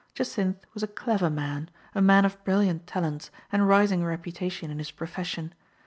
Jacynth was a clever man, a man of brilliant talents and rising reputation in his profession.